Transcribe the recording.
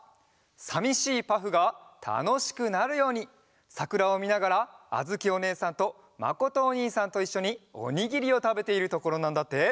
さみしいパフがたのしくなるようにさくらをみながらあづきおねえさんとまことおにいさんといっしょにおにぎりをたべているところなんだって。